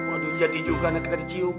aduh jadi juga anak kita dicium